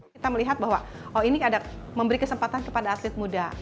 kita melihat bahwa oh ini memberi kesempatan kepada atlet muda